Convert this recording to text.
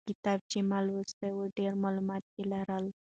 هغه کتاب چې ما لوستی و ډېر معلومات یې لرل.